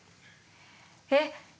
えっ？